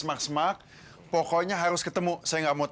ibu sama bapak itu pasti nungguin